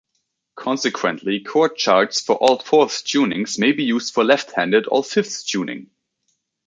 Consequently, chord charts for all-fourths tunings may be used for left-handed all-fifths tuning.